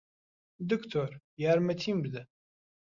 دکتۆر، یارمەتیم بدە!